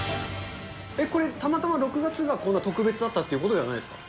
これ、たまたま６月がこんな特別だったということではないですか。